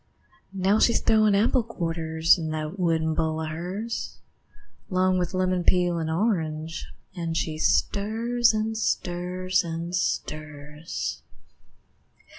Now she's throwin' apple quarters In that wooden bowl of hers, 'Long with lemon peel and orange, An' she stirs, an' stirs, an' stirs.